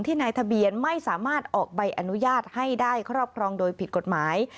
นายทะเบียนไม่สามารถออกใบอนุญาตให้ได้ครอบครองโดยผิดกฎหมาย